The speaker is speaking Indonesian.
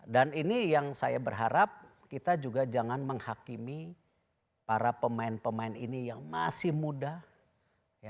dan ini yang saya berharap kita juga jangan menghakimi para pemain pemain ini yang masih muda